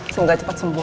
semoga cepat sembuh